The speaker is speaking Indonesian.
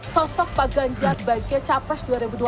sosok pak ganjar sebagai capres dua ribu dua puluh